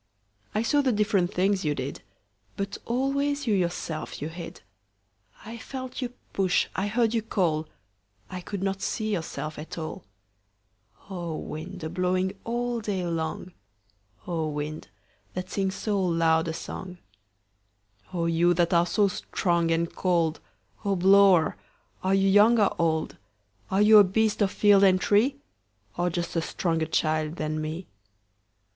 I saw the different things you did, But always you yourself you hid.I felt you push, I heard you call,I could not see yourself at all—O wind, a blowing all day long,O wind, that sings so loud a songO you that are so strong and cold,O blower, are you young or old? Are you a beast of field and tree, Or just a stronger child than me?